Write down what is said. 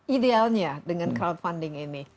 idealnya dengan crowdfunding ini